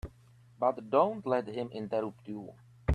But don't let him interrupt you.